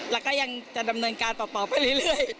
แล้วก็ยังจะดำเนินการต่อไปเรื่อย